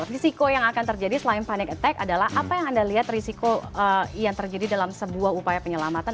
risiko yang akan terjadi selain panic attack adalah apa yang anda lihat risiko yang terjadi dalam sebuah upaya penyelamatan